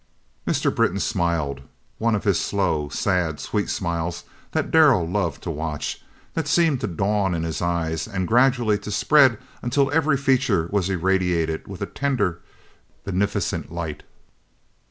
Mr. Britton smiled, one of his slow, sad, sweet smiles that Darrell loved to watch, that seemed to dawn in his eyes and gradually to spread until every feature was irradiated with a tender, beneficent light.